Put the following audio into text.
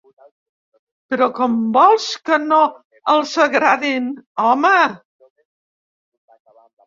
Però com vols que no els agradin, home?